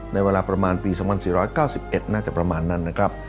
ในเวลาประมาณปี๒๔๙๑น่าจะประมาณนั้นนะครับ